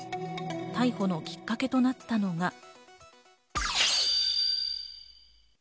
逮捕のきっかけとなったのが。